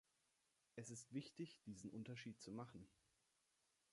Es ist wichtig, diesen Unterschied zu machen.